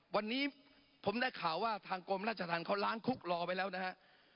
วันนี้ผมได้ข่าวว่าทางกรมราชธรรมเขาล้างคุกรอไว้แล้วนะฮะ